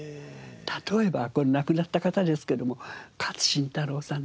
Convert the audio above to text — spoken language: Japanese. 例えば亡くなった方ですけども勝新太郎さんとかね。